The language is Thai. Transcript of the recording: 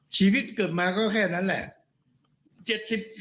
ชีวิตเกิดมาก็แค่นั้นแหละ